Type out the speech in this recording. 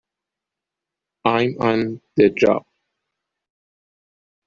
I'm on the job!